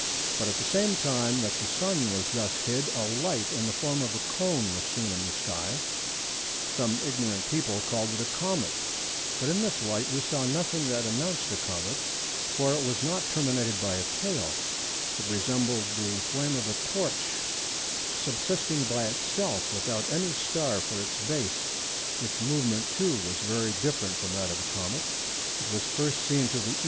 But at the same time that the Sun was thus hid, a light, in the form of a cone was seen in the sky; some ignorant people called it a comet, but in this light we saw nothing that announced a comet, for it was not terminated by a tail; it resembled the flame of a torch, subsisting by itself, without any star for its base. Its movement too was very different from that of a comet. It was first seen to the E.